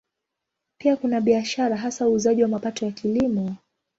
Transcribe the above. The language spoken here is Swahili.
Pia kuna biashara, hasa uuzaji wa mapato ya Kilimo.